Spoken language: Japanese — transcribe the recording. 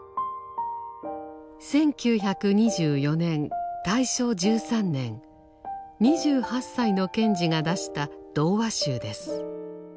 １９２４年大正１３年２８歳の賢治が出した童話集です。